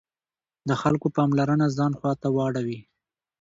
د خلکو پاملرنه ځان خواته واړوي.